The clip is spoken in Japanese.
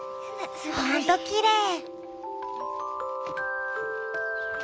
ほんときれい。